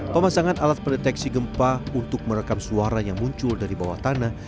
pemasangan alat pendeteksi gempa untuk merekam suara yang muncul dari bawah tanah